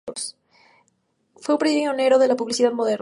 Fue un pionero de la publicidad moderna.